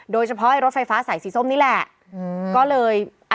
โดยเฉพาะรถไฟฟ้าสายสีส้มนี่แหละก็เลย